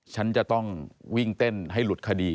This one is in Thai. ฉันจะต้องวิ่งเต้นให้หลุดคดี